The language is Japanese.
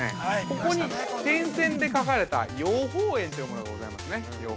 ここに点線で描かれた予報円というものがございますね。